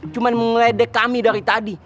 cuman mengeledek kami dari tadi